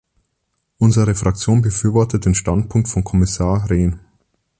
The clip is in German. Unsere Fraktion befürwortet den Standpunkt von Kommissar Rehn.